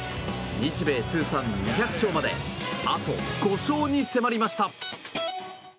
日米通算２００勝まであと５勝に迫りました。